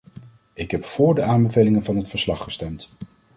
Ik heb vóór de aanbevelingen van het verslag gestemd.